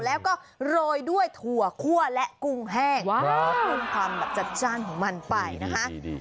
แล้วก็โรยด้วยถั่วคั่วและกุ้งแห้งเพิ่มความแบบจัดจ้านของมันไปนะคะ